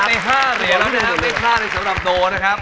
ไม่พลาดเลยสำหรับโดนะครับ